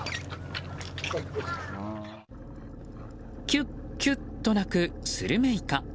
キュッキュッと鳴くスルメイカ。